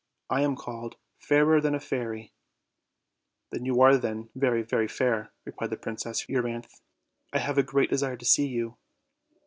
I am called 'Fairer than a Fairy.' "You are then very, very fair," replied Princess Eu ryanthe; "I have a great desire to see you."